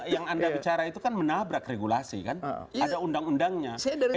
yang anda bicara itu kan menabrak regulasi kan ada undang undangnya